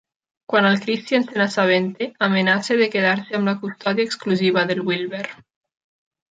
Quan en Christian se n'assabenta, amenaça de quedar-se amb la custòdia exclusiva del Wilber.